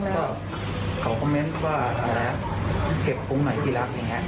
ที่เขาคำอวังว่า